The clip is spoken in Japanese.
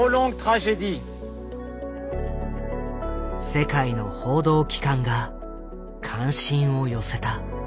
世界の報道機関が関心を寄せた。